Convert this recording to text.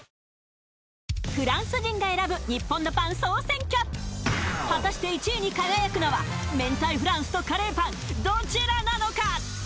．．．フランス人が選ぶ日本のパン総選挙果たして１位に輝くのは明太フランスとカレーパンどちらなのか？